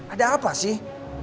ada apa sih